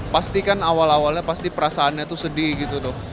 pasti kan awal awalnya pasti perasaannya sedih gitu dong